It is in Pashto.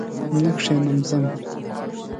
نه کښېنم ځم!